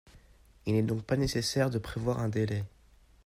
Il n’est donc pas nécessaire de prévoir un délai.